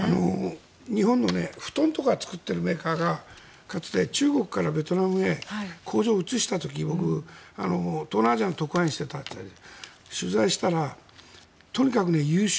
日本の布団とか作っているメーカーがかつて、中国からベトナムへ工場を移した時僕、東南アジアの特派員をしていた時があったんですが取材したらとにかく優秀。